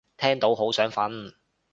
聽到好想瞓